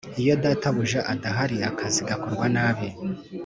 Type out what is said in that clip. Iyo databuja adahari akazi gakorwa nabi